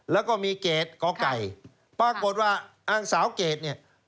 แล้วก็มีเกรดก่อไก่ปรากฏว่านางสาวเกรดเนี่ย